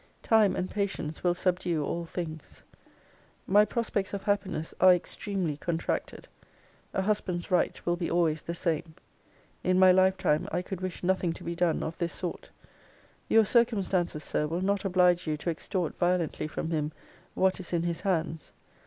Time and patience will subdue all things. My prospects of happiness are extremely contracted. A husband's right will be always the same. In my lifetime I could wish nothing to be done of this sort. Your circumstances, Sir, will not oblige you to extort violently from him what is in his hands.